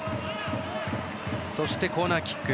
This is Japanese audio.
そしてコーナーキック。